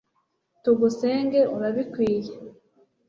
tugusenge urabikwiye